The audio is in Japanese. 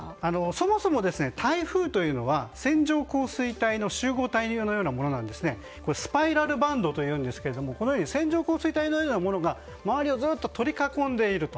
そもそも台風というのは線状降水帯の集合体のようなものでスパイラルバンドというんですが線状降水帯のようなものが周りをずっと取り囲んでいると。